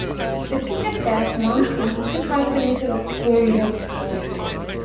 The Piketberg mountain occupies the middle of the area.